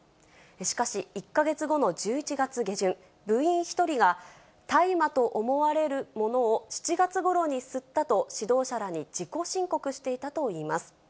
しかし、１か月後の１１月下旬、部員１人が、大麻と思われるものを７月ごろに吸ったと指導者らに自己申告していたといいます。